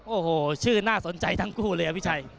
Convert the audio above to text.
โอ้โหชื่อน่าสนใจทั้งคู่เลยอะพี่ชัย